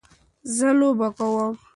زه لوبه کوم.